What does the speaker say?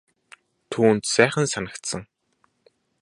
Түүнд сайхан санагдсан.